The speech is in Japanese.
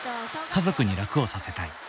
家族に楽をさせたい。